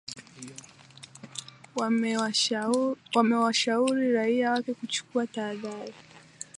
Wamewashauri raia wake kuchukua tahadhari